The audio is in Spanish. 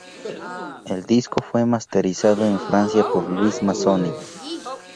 El disco fue masterizado en Francia por Luis Mazzoni.